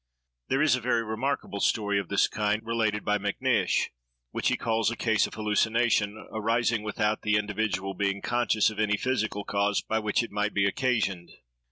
There is a very remarkable story of this kind, related by Macnish, which he calls "a case of hallucination, arising without the individual being conscious of any physical cause by which it might be occasioned."